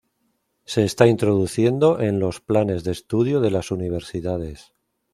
Se está introduciendo en los planes de estudio de las universidades.